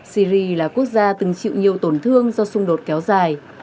syri là quốc gia từng chịu nhiều tổn thương do xung đột kéo dài